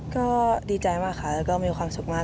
ก็ดีใจมากค่ะแล้วก็มีความสุขมาก